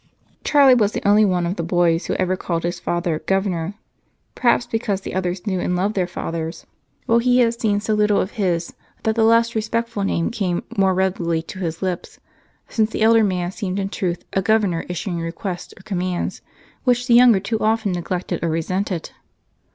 Charlie was the only one of the boys who ever called his father "governor," perhaps because the others knew and loved their fathers, while he had seen so little of his that the less respectful name came more readily to his lips, since the elder man in truth seemed a governor issuing requests or commands, which the younger too often neglected or resented.